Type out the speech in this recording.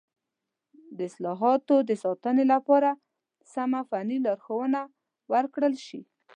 د حاصلاتو د ساتنې لپاره سمه فني لارښوونه ورکړل شي.